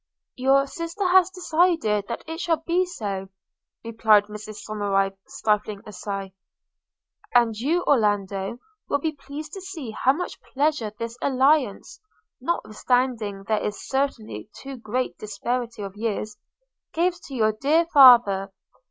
– 'Your sister has decided that it shall be so,' replied Mrs Somerive, stifling a sigh; 'and you, Orlando, will be pleased to see how much pleasure this alliance (notwithstanding there is certainly a too great disparity of years) gives to your dear father.